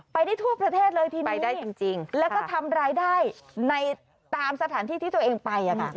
ไปได้ทั่วประเทศเลยทีนี้ไปได้จริงแล้วก็ทำรายได้ในตามสถานที่ที่ตัวเองไป